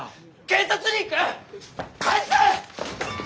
警察に行く！返せ！